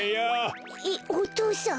えっお父さん？